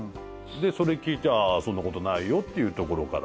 でそれ聞いてそんなことないよっていうところから。